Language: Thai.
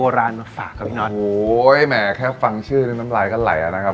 โอ้โหแม่แค่ฟังชื่อแล้วน้ำลายก็ไหลนะครับ